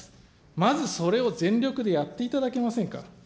まずそれを全力でやっていただけませんか。